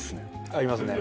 合いますね。